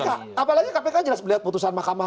tapi kpk apalagi kpk jelas melihat keputusan mahkamah